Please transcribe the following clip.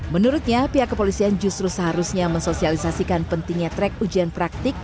menurutnya pihak kepolisian justru seharusnya mensosialisasikan pentingnya track ujian praktik